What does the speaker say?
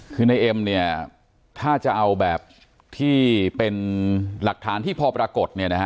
คือในเอ็มเนี่ยถ้าจะเอาแบบที่เป็นหลักฐานที่พอปรากฏเนี่ยนะฮะ